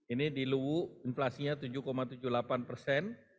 ini di luwu inflasinya tujuh tujuh puluh delapan persen